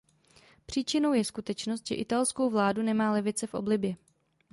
Příčinou je skutečnost, že italskou vládu nemá levice v oblibě.